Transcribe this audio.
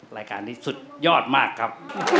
รายการนี้สุดยอดมากครับ